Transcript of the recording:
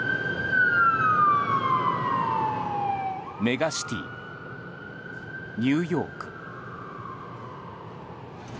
メガシティー、ニューヨーク。